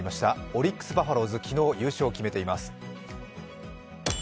オリックス・バファローズ、昨日、優勝を決めています。